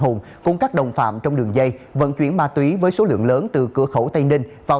hùng cùng các đồng phạm trong đường dây vận chuyển ma túy với số lượng lớn từ cửa khẩu tây ninh vào